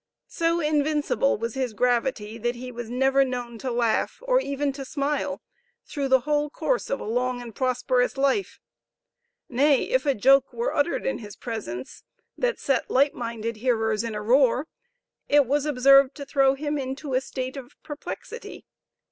So invincible was his gravity that he was never known to laugh, or even to smile, through the whole course of a long and prosperous life. Nay, if a joke were uttered in his presence, that set light minded hearers in a roar, it was observed to throw him into a state of perplexity.